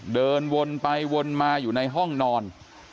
เดินวนไปวนมาอยู่ในห้องนอน